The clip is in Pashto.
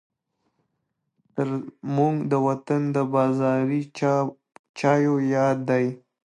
ترموز د وطن د بازاري چایو یاد دی.